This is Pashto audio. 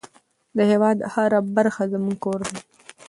د هېواد هره برخه زموږ کور دی.